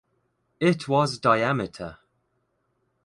It was diameter.